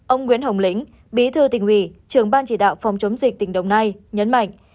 ông nguyễn hồng lĩnh bí thư tỉnh ủy trường ban chỉ đạo phòng chống dịch tỉnh đồng nai nhấn mạnh